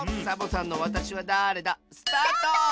サボさんの「わたしはだれだ？」。スタート！